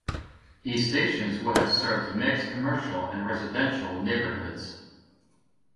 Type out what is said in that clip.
These stations would have served mixed commercial and residential neighbourhoods.